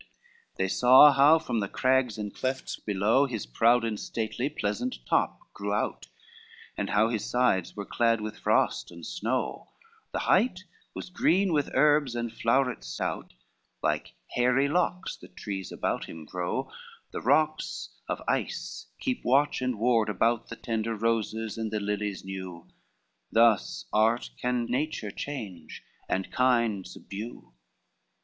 XLVI They saw how from the crags and clefts below His proud and stately pleasant top grew out, And how his sides were clad with frost and snow, The height was green with herbs and flowerets sout, Like hairy locks the trees about him grow, The rocks of ice keep watch and ward about, The tender roses and the lilies new, Thus art can nature change, and kind subdue.